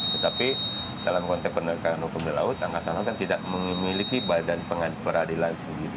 tetapi dalam konteks penegakan hukum di laut angkatan laut kan tidak memiliki badan peradilan sendiri